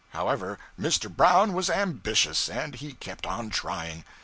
However, Mr. Brown was ambitious, and he kept on trying.